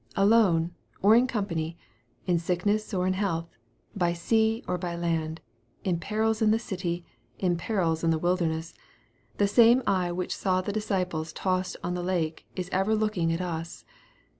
Alone, or in company in sickness or in health by sea or by land in perils in the city in perils in the wilderness the same eye which saw the disciples tossed on the lake, is ever looking at us.